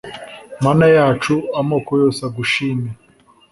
Mana yacu amoko yose agushime